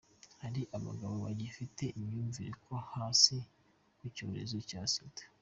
Hari abagabo bagifite imyumvire yo hasi ku cyorezo cya Sida